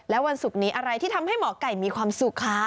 และวันศุกร์นี้อะไรที่ทำให้หมอไก่มีความสุขคะ